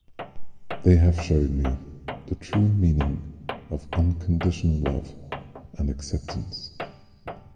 They have shown me the true meaning of unconditional love and acceptance.